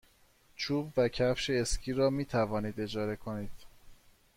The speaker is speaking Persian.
چوب و کفش اسکی را می توانید اجاره کنید.